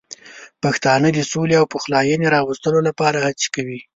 پښتانه د سولې او پخلاینې راوستلو لپاره هڅه کوي.